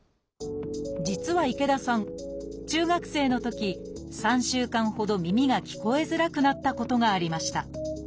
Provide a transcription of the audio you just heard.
実は池田さん中学生のとき３週間ほど耳が聞こえづらくなったことがありました。